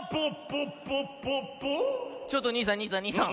ちょっとにいさんにいさんにいさん。